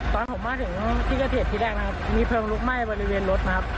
ตอนผมมาถึงที่เกิดเหตุที่แรกนะครับมีเพลิงลุกไหม้บริเวณรถนะครับ